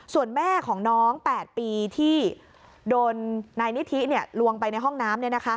ส่วนแม่ของน้อง๘ปีที่โดนนายนิธิลวงไปในห้องน้ำ